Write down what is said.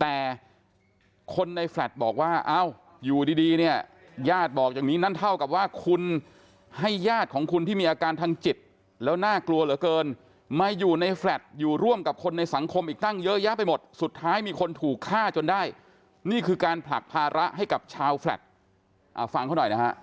แต่คนในแฟลตบอกว่าเอ้าอยู่ดีเนี่ยญาติบอกอย่างนี้นั่นเท่ากับว่าคุณให้ญาติของคุณที่มีอาการทางจิตแล้วน่ากลัวเหลือเกินมาอยู่ในแฟลตอยู่ร่วมกับคนในสังคมอีกตั้งเยอะแยะไปหมดสุดท้ายมีคนถูกฆ่าจนได้นี่คือการผลักภาระให้กับชาวแฟลตฟังเขาหน่อยนะฮะ